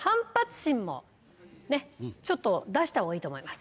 もちょっと出したほうがいいと思います。